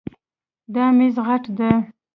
دا میز غټ ده